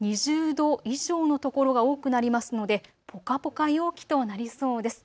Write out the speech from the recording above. ２０度以上の所が多くなりますのでぽかぽか陽気となりそうです。